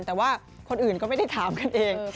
แต่ว่าคนอื่นก็ไม่ได้ถามกันเอง